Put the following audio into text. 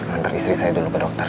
antar istri saya dulu ke dokter